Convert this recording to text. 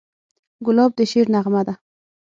ګلاب د شعر نغمه ده.